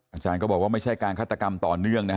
อาจารย์ก็บอกว่าไม่ใช่การฆาตกรรมต่อเนื่องนะฮะ